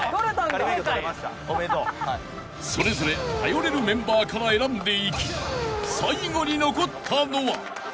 ［それぞれ頼れるメンバーから選んでいき最後に残ったのは］